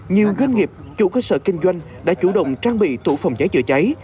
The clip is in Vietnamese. nhiều doanh nghiệp chủ cơ sở kinh doanh đã chủ động trang bị tủ phòng cháy chữa cháy